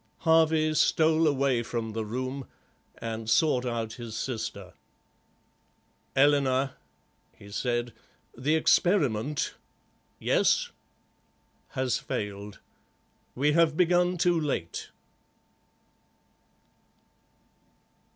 '" Harvey stole away from the room, and sought out his sister. "Eleanor," he said, "the experiment—" "Yes?" "Has failed. We have begun too late."